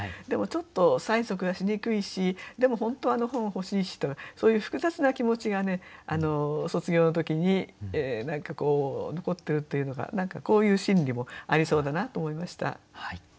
でもちょっと催促がしにくいしでも本当はあの本欲しいしそういう複雑な気持ちがね卒業の時に何かこう残っているっていうのが何かこういう心理もありそうだなと思いました。